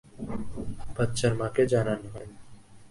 বাচ্চার মাকে জানান হয় নি।